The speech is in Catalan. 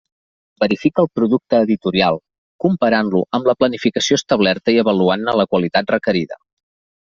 Verifica el producte editorial comparant-lo amb la planificació establerta i avaluant-ne la qualitat requerida.